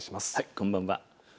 こんばんは。